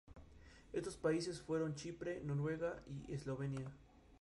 Estos países fueron Chipre, Noruega y Eslovenia.